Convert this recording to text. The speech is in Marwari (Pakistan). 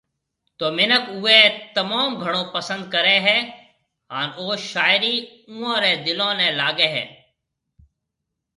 تو منک اوئي تموم گھڻو پسند ڪري هي هان او شاعري اوئون ري دلون ني لاگي هي